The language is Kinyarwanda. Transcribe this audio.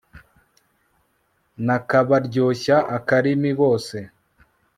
n'ak'abaryoshya akarimi bose